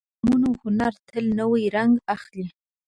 د فلمونو هنر تل نوی رنګ اخلي.